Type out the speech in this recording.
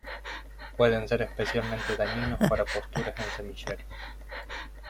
Pueden ser especialmente dañinos para posturas en semilleros.